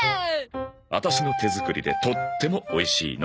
アタシの手作りでとってもおいしいの。